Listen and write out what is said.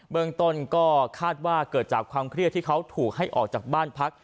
เมืองต้นก็คาดว่าเกิดจากความเครียดที่เขาถูกให้ออกจากบ้านพัก